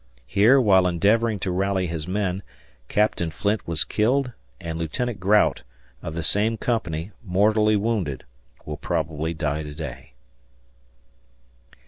Here, while endeavoring to rally his men, Capt. Flint was killed, and Lieut. Grout, of the same Company, mortally wounded (will probably die to day).